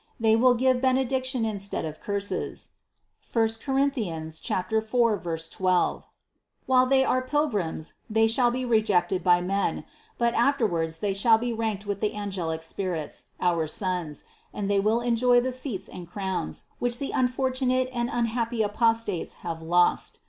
They will give benediction instead of curses (I Cor. 4, 12). While they are pilgrims, they shall be rejected by men, but afterwards they shall be ranked with the angelic spirits, our sons, and they will enjoy the seats and crowns, which the unfortunate and unhappy apostates have lost.